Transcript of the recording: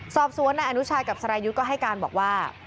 สอบสวนนายอนุชายกับสรายุทธ์ก็ให้การบอกว่า